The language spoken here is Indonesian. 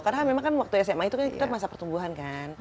karena memang kan waktu sma itu kita masa pertumbuhan kan